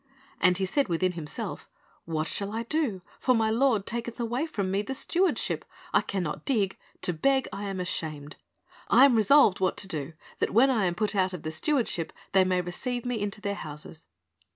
And he said within himself, "What shall I do? for my lord taketh away from me the stewardship: I can not dig; to beg I am ashamed. I am resolved what to do, that, when I am put out of the stewardship, they may receive me into their houses.